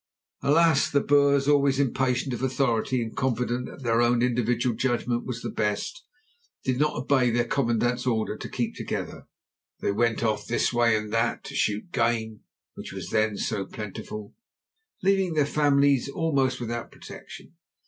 Alas! the Boers, always impatient of authority and confident that their own individual judgment was the best, did not obey their commandant's order to keep together. They went off this way and that, to shoot the game which was then so plentiful, leaving their families almost without protection.